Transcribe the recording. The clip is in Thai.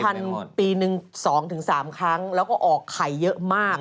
ปีหนึ่ง๒๓ครั้งแล้วก็ออกไข่เยอะมาก